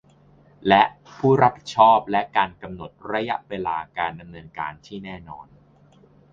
และ ผู้รับผิดชอบ และการกำหนดระยะเวลาการดำเนินการที่แน่นอน